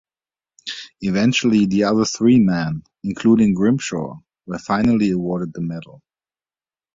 Eventually the other three men, including Grimshaw, were finally awarded the medal.